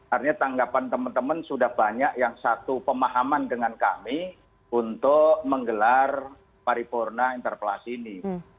artinya tanggapan teman teman sudah banyak yang satu pemahaman dengan kami untuk menggelar paripurna interpelasi ini